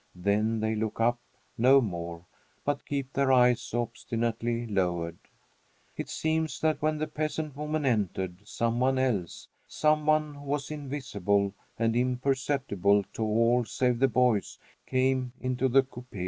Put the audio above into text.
Then they look up no more, but keep their eyes obstinately lowered. It seems that when the peasant woman entered some one else some one who was invisible and imperceptible to all save the boys came into the coupé.